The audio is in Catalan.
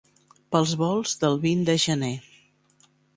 Pels volts del vint de gener.